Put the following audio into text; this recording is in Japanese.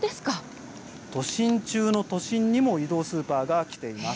都心中の都心にも移動スーパーが来ています。